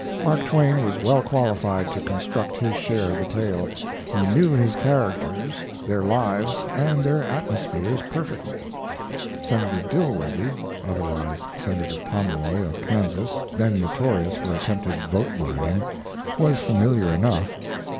Mark Twain was well qualified to construct his share of the tale. He knew his characters, their lives, and their atmospheres perfectly. Senator Dilworthy (otherwise Senator Pomeroy, of Kansas, then notorious for attempted vote buying) was familiar enough.